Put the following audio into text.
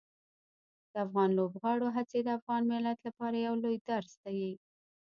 د افغان لوبغاړو هڅې د افغان ملت لپاره یو لوی درس دي.